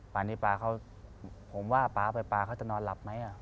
นี้ป๊าเขาผมว่าป๊าไปป๊าเขาจะนอนหลับไหม